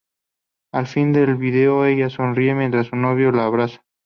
Al final del vídeo ella sonríe mientras su novio la abraza.